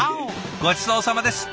ごちそうさまです。